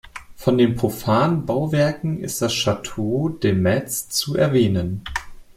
Von den profanen Bauwerken ist das Château de Metz zu erwähnen.